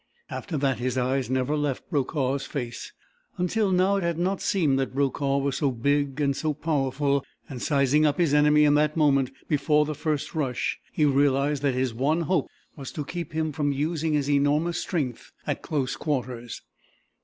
After that his eyes never left Brokaw's face. Until now it had not seemed that Brokaw was so big and so powerful, and, sizing up his enemy in that moment before the first rush, he realized that his one hope was to keep him from using his enormous strength at close quarters.